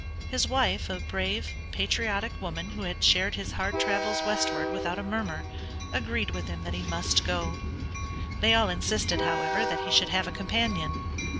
His wife, a brave, patriotic woman who had shared his hard travels westward without a murmur, agreed with him that he must go. They all insisted, however, that he should have a companion.